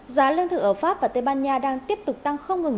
giá lương thực ở pháp và tây ban nha đang tiếp tục tăng không ngừng